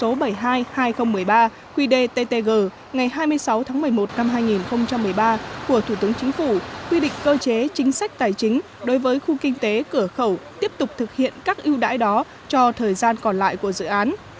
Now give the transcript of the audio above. trong tuần thủ tướng chính phủ vừa ký quyết định số bảy mươi hai hai nghìn một mươi tám qdttg bãi bỏ quyết định số bảy mươi hai hai nghìn một mươi ba qdttg ngày hai mươi sáu một mươi một hai nghìn một mươi ba của thủ tướng chính phủ quyết định cơ chế chính sách tài chính đối với khu kinh tế cửa khẩu tiếp tục thực hiện các yêu đãi đó cho thời gian còn lại của dự án